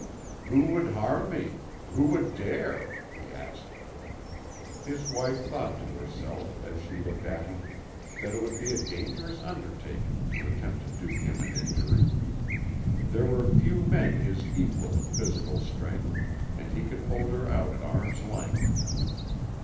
"Who would harm me? Who would dare?" he asked. His wife thought to herself, as she looked at him, that it would be a dangerous undertaking to attempt to do him an injury. There were few men his equal in physical strength, and he could hold her out at arm's length.